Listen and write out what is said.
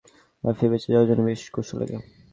লাফিয়ে বেঁচে যাওয়ার জন্য বেশ কৌশল লাগে।